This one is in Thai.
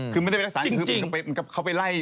ก็ไปไล่๒๔ไอ๓๐ในบ้านให้